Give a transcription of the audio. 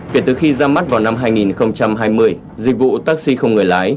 kể từ khi ra mắt vào năm hai nghìn hai mươi dịch vụ taxi không người lái